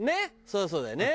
そりゃそうだよね。